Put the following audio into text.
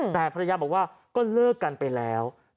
แต่ภรรยาบอกว่าก็เลิกกันไปแล้ว